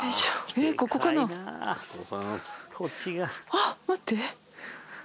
あっ待って。